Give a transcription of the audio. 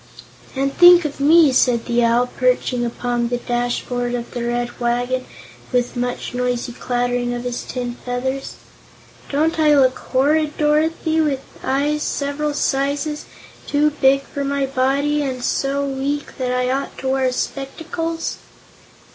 "And think of me," said the Owl, perching upon the dashboard of the Red Wagon with much noisy clattering of his tin feathers. "Don't I look horrid, Dorothy, with eyes several sizes too big for my body, and so weak that I ought to wear spectacles?"